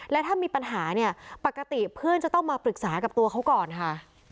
และถ้ามีปัญหาเนี่ยปกติเพื่อนจะต้องมาปรึกษากับตัวเขาก่อนค่ะ